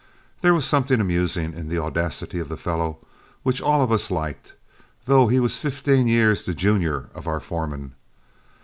There was something amusing in the audacity of the fellow which all of us liked, though he was fifteen years the junior of our foreman.